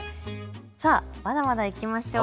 まだまだいきましょう。